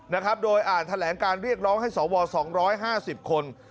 นะครับโดยอ่านแถลงการเรียกร้องให้สว๒๕๐คน